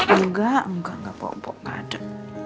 enggak enggak enggak bobo enggak ada